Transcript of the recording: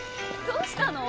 どうしたの？